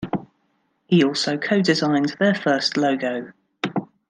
He also co-designed their first logo.